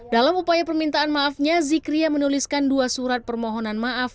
dalam upaya permintaan maafnya zikriya menuliskan dua surat permohonan